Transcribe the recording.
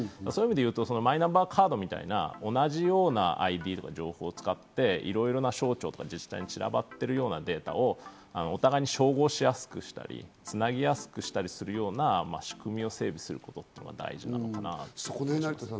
そういう意味で言うと、マイナンバーカードみたいな、同じようなＩＤ、情報を使っていろんな省庁と自治体に散らかっているようなデータをお互い照合しやすくしたり、つなぎやすくしたりするような仕組みを整備することが大事かなと思います。